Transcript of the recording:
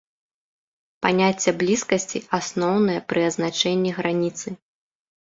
Паняцце блізкасці асноўнае пры азначэнні граніцы.